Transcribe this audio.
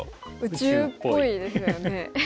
宇宙っぽいですよね。